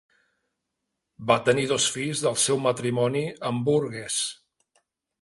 Va tenir dos fills del seu matrimoni amb Burgess.